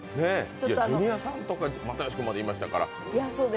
ジュニアさんとか又吉君までいましたから。